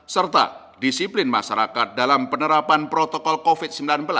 serta disiplin masyarakat dalam penerapan protokol covid sembilan belas